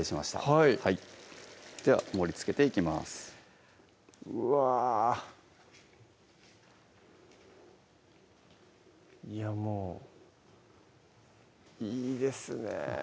はいでは盛りつけていきますうわいやもういいですね